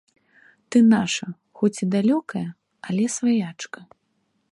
Ты наша, хоць і далёкая, але сваячка.